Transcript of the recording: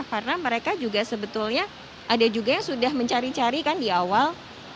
karena mereka juga sebetulnya ada juga yang sudah mencari cari kan di awal